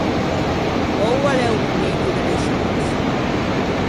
Oua l’é o momento de mesciâse.